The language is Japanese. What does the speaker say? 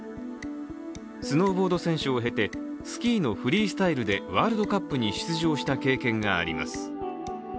スノーボード選手を経てスキーのフリースタイルでワールドカップに出場した経験があります。